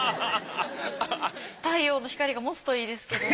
太陽の光がもつといいですけどね。